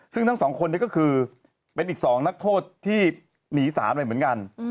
ซึ่งทั้งสองคนนี้ก็คือเป็นอีก๒นักโทษที่หนีสารไปเหมือนกัน